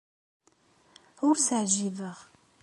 Ur as-ɛjibeɣ.